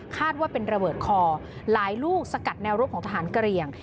ว่าเป็นระเบิดคอหลายลูกสกัดแนวรถของทหารเกรียง